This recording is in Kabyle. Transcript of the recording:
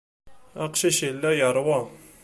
Aqcic yella yeṛwa.